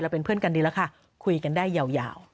เป็นเพื่อนกันดีแล้วค่ะคุยกันได้ยาว